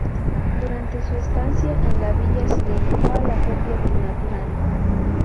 Durante su estancia en la Villa se dedicó a la copia del natural.